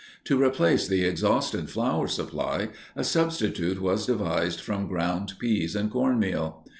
To replace the exhausted flour supply, a substitute was devised from ground peas and cornmeal.